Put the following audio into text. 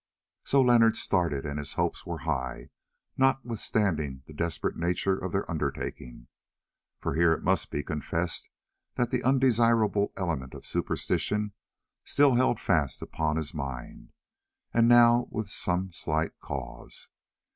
So Leonard started, and his hopes were high notwithstanding the desperate nature of their undertaking. For here it must be confessed that the undesirable element of superstition still held fast upon his mind, and now with some slight cause.